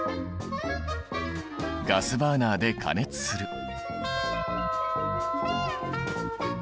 ガスバーナーで加熱する。